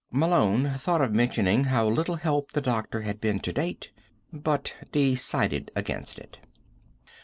Malone thought of mentioning how little help the doctor had been to date, but decided against it.